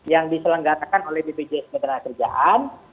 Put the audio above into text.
yang diselenggarkan oleh bpjs kederaan kerjaan